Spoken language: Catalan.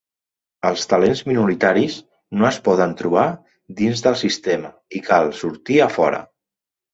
Els talents minoritaris no es poden trobar dins del sistema i cal sortir a fora.